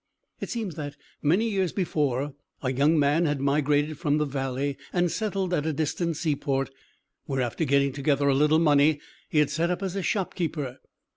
It seems that, many years before, a young man had migrated from the valley and settled at a distant seaport, where, after getting together a little money, he had set up as a shopkeeper.